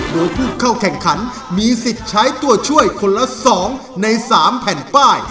โดยผู้เข้าแข่งขันมีสิทธิ์ใช้ตัวช่วยคนละ๒ใน๓แผ่นป้าย